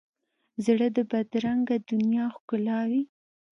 زړه د بدرنګه دنیا ښکلاوي.